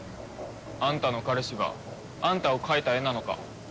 あんたの彼氏があんたを描いた絵なのか。